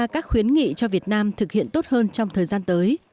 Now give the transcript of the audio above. chỉ cho việt nam thực hiện tốt hơn trong thời gian tới